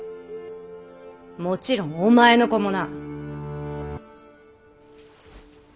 もちろんお前の子もな！